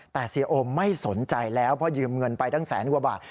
แต่เสียโอมไม่สนใจแล้วเพราะยืมเงินไปตั้งแสนกว่าบาท